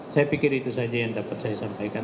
saya pikir itu saja yang dapat saya sampaikan